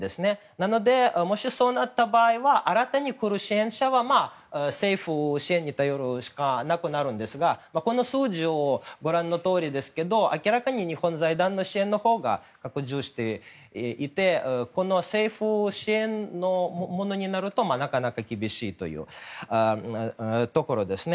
なので、もしそうなった場合は新たに来る支援者は政府支援に頼るしかなくなるんですがこの数字をご覧のとおりですけど明らかに日本財団の支援のほうが拡充していてこの政府支援のものになるとなかなか厳しいというところですね。